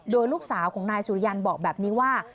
โดยลูกสาวของนายสุริยันบอกแบบนี้ว่า